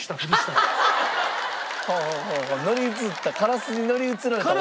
乗り移ったカラスに乗り移られた？